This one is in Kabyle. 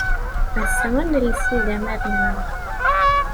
Ass-a ad nelles izamaren-nneɣ.